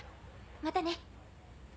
またね。